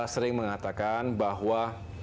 sering mengatakan bahwa